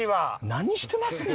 何してますの？